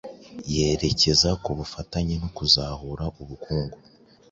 yerekeza ku bufatanye no kuzahura ubukungu.